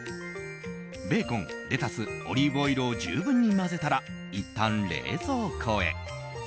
ベーコン、レタスオリーブオイルを十分に混ぜたらいったん冷蔵庫へ。